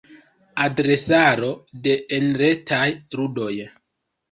Adresaro de enretaj ludoj.